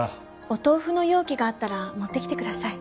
お豆腐の容器があったら持ってきてください。